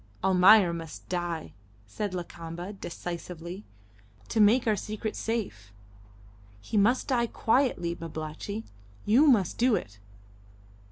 "Almayer must die," said Lakamba, decisively, "to make our secret safe. He must die quietly, Babalatchi. You must do it."